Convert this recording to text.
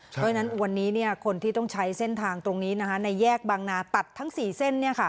เพราะฉะนั้นวันนี้คนที่ต้องใช้เส้นทางตรงนี้ในแยกบางนาตัดทั้ง๔เส้น